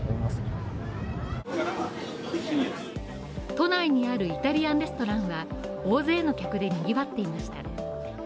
都内にあるイタリアンレストランは大勢の客で賑わっていました。